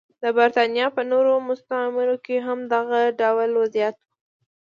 د برېټانیا په نورو مستعمرو کې هم دغه ډول وضعیت و.